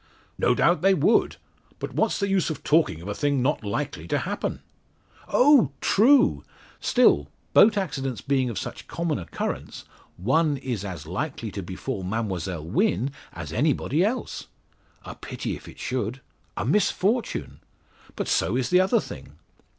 "No doubt they would. But what's the use of talking of a thing not likely to happen?" "Oh, true! Still, boat accidents being of such common occurrence, one is as likely to befall Mademoiselle Wynn as anybody else. A pity if it should a misfortune! But so is the other thing."